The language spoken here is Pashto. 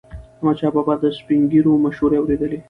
احمدشاه بابا به د سپین ږیرو مشورې اورېدلي.